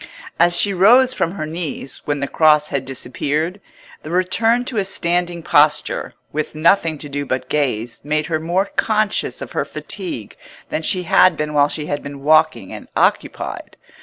As she rose from her knees, when the Cross had disappeared, the return to a standing posture, with nothing to do but gaze, made her more conscious of her fatigue than she had been while she had been walking and occupied.